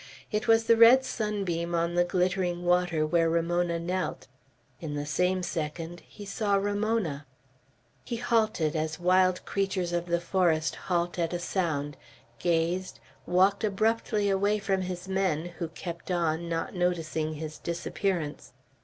It was the red sunbeam on the glittering water where Ramona knelt. In the same second he saw Ramona. He halted, as wild creatures of the forest halt at a sound; gazed; walked abruptly away from his men, who kept on, not noticing his disappearance.